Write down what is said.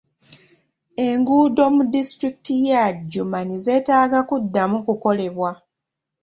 Enguudo mu disitulikiti ye Adjumani zeetaaga kuddamu kukolebwa.